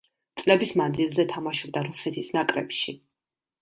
წლების მანძილზე თამაშობდა რუსეთის ნაკრებში.